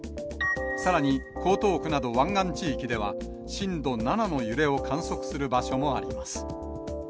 さらに、江東区など湾岸地域などでは震度７の揺れを観測する場所もあります。